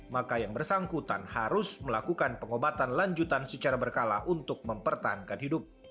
maka yang bersangkutan harus melakukan pengobatan lanjutan secara berkala untuk mempertahankan hidup